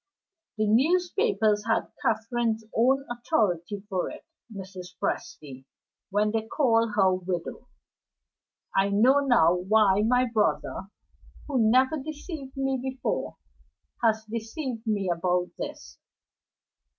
The newspapers had Catherine's own authority for it, Mrs. Presty, when they called her widow. I know now why my brother, who never deceived me before, has deceived me about this.